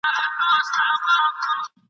له هر مذهب له هر پیمانه ګوښه !.